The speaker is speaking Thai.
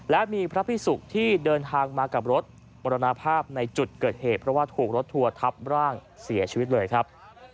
และมีพระพิสุกที่เดินทางมากับรถมรณภาพในจุดเกิดเหตุเพราะว่าถูกรถทัวร์ทับร่างเสียชีวิตเลยครับ